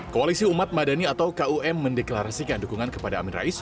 koalisi umat madani atau kum mendeklarasikan dukungan kepada amin rais